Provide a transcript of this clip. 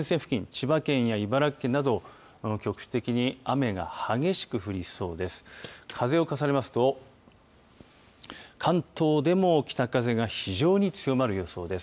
千葉県や茨城県など局地的に雨が激しく降りそうです。